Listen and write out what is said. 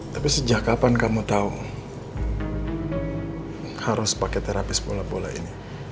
tapi sejak kapan kamu tahu harus pakai terapis bola bola ini